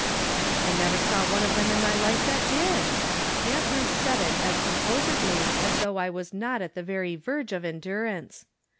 " I never saw one of them in my life that did." Aunt Ruth said it as composedly as though I was not at the very verge of endurance.